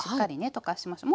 溶かしましょう。